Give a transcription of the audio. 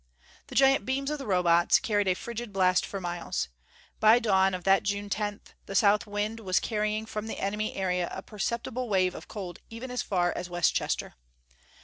The giant beams of the Robots carried a frigid blast for miles. By dawn of that June 10th, the south wind was carrying from the enemy area a perceptible wave of cold even as far as Westchester.